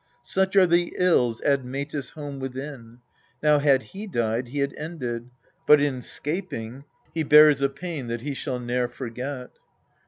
Such are the ills Admetus' home within. Now, had he died, he had ended : but in 'scaping, He bears a pain that he shall ne'er forget.